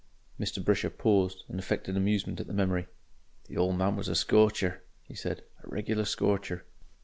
Mr. Brisher paused, and affected amusement at the memory. "The old man was a scorcher," he said; "a regular scorcher."